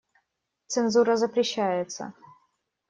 Цензура запрещается.